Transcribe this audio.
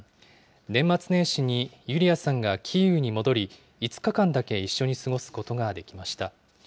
年末年始にユリアさんがキーウに戻り、５日間だけ一緒に過ごすことができました。